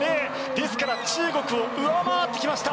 ですから中国を上回ってきました。